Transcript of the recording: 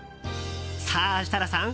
さあ、設楽さん。